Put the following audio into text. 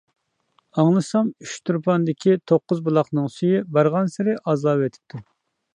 ئاڭلىسام ئۇچتۇرپاندىكى توققۇز بۇلاقنىڭ سۈيى بارغانسېرى ئازلاۋېتىپتۇ.